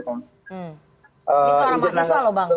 ini suara bahasa suara loh bang